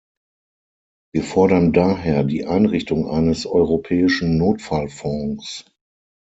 Wir fordern daher die Einrichtung eines europäischen Notfallfonds.